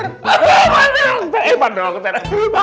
eh pak dokter